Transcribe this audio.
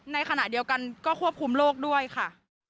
ในขณะเดียวกันก็ควบคุมโรคด้วยค่ะ